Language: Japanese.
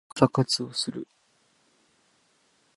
朝活をする